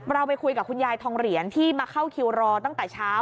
เราไปคุยกับคุณยายทองเหรียญที่มาเข้าคิวรอตั้งแต่เช้า